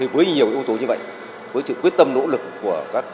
với nhiều yếu tố như vậy với sự quyết tâm quyết tâm quyết tâm